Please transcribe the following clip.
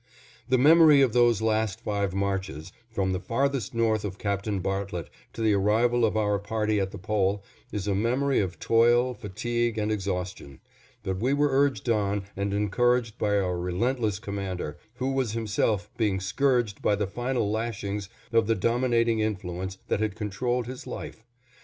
The memory of those last five marches, from the Farthest North of Captain Bartlett to the arrival of our party at the Pole, is a memory of toil, fatigue, and exhaustion, but we were urged on and encouraged by our relentless commander, who was himself being scourged by the final lashings of the dominating influence that had controlled his life.